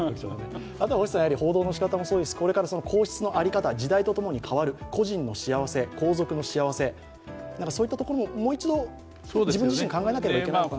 あとは報道の仕方、これから、皇室の在り方時代とともに変わる個人の幸せ、皇族の幸せ、そういったところももう一度自分自身、考えなければいけないかなと。